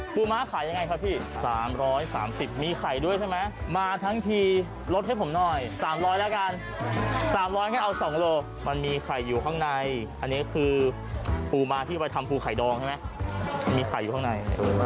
ม้าขายยังไงครับพี่๓๓๐มีไข่ด้วยใช่ไหมมาทั้งทีลดให้ผมหน่อย๓๐๐แล้วกัน๓๐๐งั้นเอา๒โลมันมีไข่อยู่ข้างในอันนี้คือปูม้าที่ไปทำปูไข่ดองใช่ไหมมีไข่อยู่ข้างใน